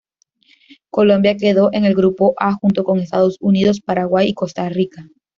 Colombia quedó en el Grupo A junto con Estados Unidos, Paraguay y Costa Rica.